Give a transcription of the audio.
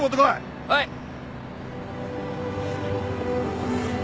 はい。